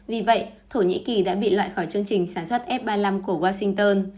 vì vậy thổ nhĩ kỳ đã bị loại khỏi chương trình sản xuất f ba mươi năm của washington